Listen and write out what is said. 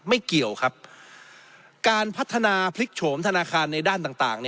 ไม่เกี่ยวครับการพัฒนาพลิกโฉมธนาคารในด้านต่าง